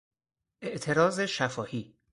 اعتراض شفاهی